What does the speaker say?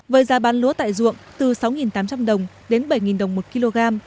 với giá bán lúa tại ruộng từ sáu tám trăm linh đồng đến bảy đồng một kg